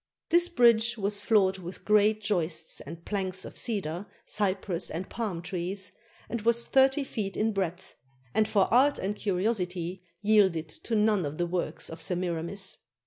This bridge was floored with great joists and planks of cedar, cypress, and palm trees, and was thirty feet in breadth, and for art and curiosity yielded to none of the works of S emir amis.